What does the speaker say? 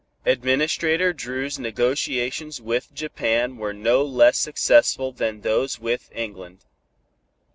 Administrator Dru's negotiations with Japan were no less successful than those with England.